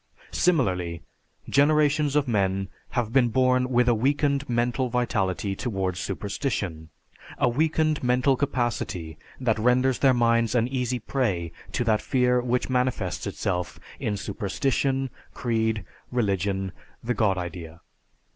Similarly, generations of men have been born with a weakened mental vitality towards superstition; a weakened mental capacity that renders their minds an easy prey to that fear which manifests itself in superstition, creed, religion the God idea.